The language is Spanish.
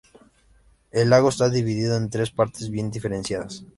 El lago está dividido en tres partes bien diferenciadas.